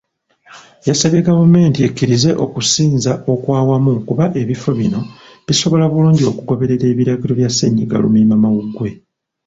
Yasabye gavumenti ekkirize okusinza okwawamu kuba ebifo bino bisobola bulungi okugoberera ebiragiro bya ssennyiga Lumiimamawuggwe.